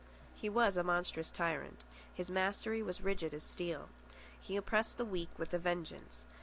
He was a monstrous tyrant. His mastery was rigid as steel. He oppressed the weak with a vengeance.